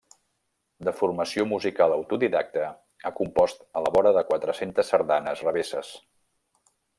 De formació musical autodidacta, ha compost a la vora de quatre-centes sardanes revesses.